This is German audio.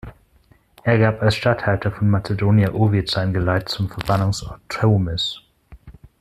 Er gab als Statthalter von Macedonia Ovid Geleit zu seinem Verbannungsort Tomis.